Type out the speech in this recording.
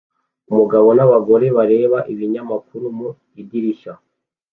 umugabo n'abagore bareba ibinyamakuru mu idirishya